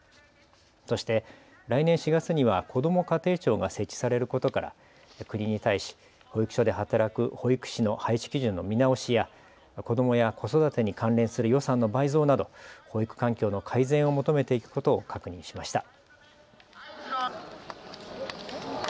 そして来年４月にはこども家庭庁が設置されることから、国に対し保育所で働く保育士の配置基準の見直しや子どもや子育てに関連する予算の倍増など保育環境の改善を求めていくことを確認しました。